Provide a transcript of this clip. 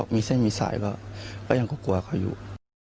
มีเส้นมีสายก็ยังก็กลัวเขาอยู่